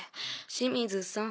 清水さん。